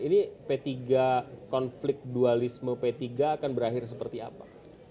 ini p tiga konflik dualisme p tiga akan berakhir seperti apa